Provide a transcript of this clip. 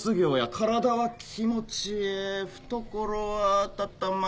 体は気持ちええ懐は温まる。